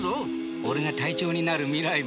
俺が隊長になる未来も。